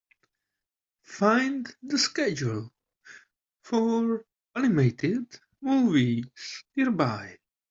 Find the schedule for animated movies nearby